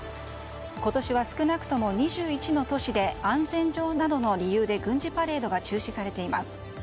今年は少なくとも２１の都市で安全上などの理由で軍事パレードが中止されています。